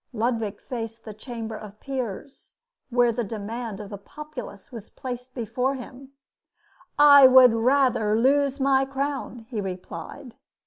Ludwig faced the chamber of peers, where the demand of the populace was placed before him. "I would rather lose my crown!" he replied.